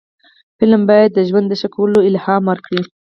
فلم باید د ژوند د ښه کولو الهام ورکړي